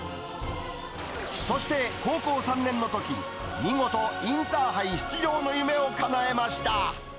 そして高校３年のとき、見事、インターハイ出場の夢をかなえました。